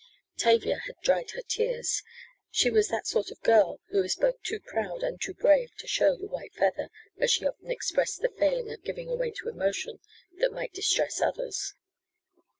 Tavia had dried her tears. She was that sort of girl who is both too proud and too brave to show "the white feather" as she often expressed the failing of giving away to emotion that might distress others.